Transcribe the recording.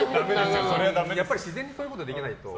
やっぱり自然にそういうことできないと。